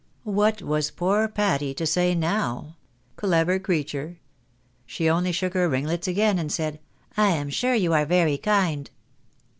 What was poor Patty to say now? Clever creature! She only shook her ringlets again, and said, " I am sure you are very kind."